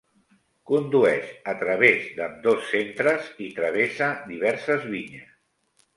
Condueix a través d'ambdós centres i travessa diverses vinyes.